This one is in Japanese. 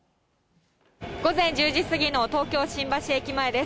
午前１０時過ぎの東京・新橋駅前です。